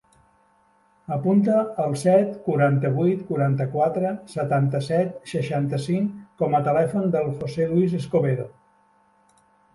Apunta el set, quaranta-vuit, quaranta-quatre, setanta-set, seixanta-cinc com a telèfon del José luis Escobedo.